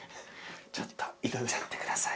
ちょっといっちゃってください。